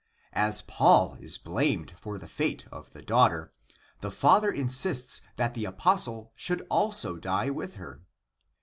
As Paul is blamed for the fate of the daugh ter, the father insists that the apostle should also die with her.